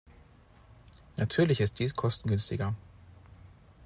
Natürlich ist dies kostengünstiger.